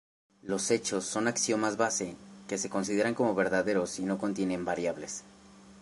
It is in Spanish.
Los hechos son axiomas base que se consideran como verdaderos y no contienen variables.